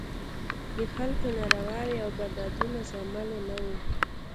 د خلکو نارواوې او بدعتونه د زغملو نه وو.